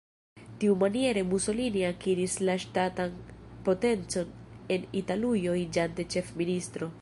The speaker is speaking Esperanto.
Tiumaniere Mussolini akiris la ŝtatan potencon en Italujo iĝante ĉefministro.